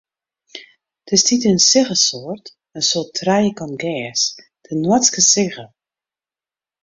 Dêr stiet in siggesoart, in soart trijekant gers, de noardske sigge.